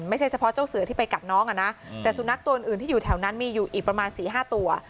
ไม่ใช่เฉพาะเจ้าเสือที่ไปกัดน้องอ่ะนะแต่สุนัขตัวอื่นที่อยู่แถวนั้นมีอยู่อีกประมาณ๔๕ตัว